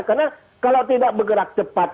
karena kalau tidak bergerak cepat